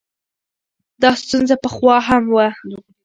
دا ستونزه پخوا هم وه.